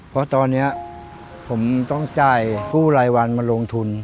เพราะตอนนี้ผมต้องจ่ายกู้รายวันมาลงทุน